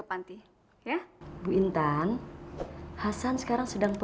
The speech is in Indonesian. aduh gimana ini sekarang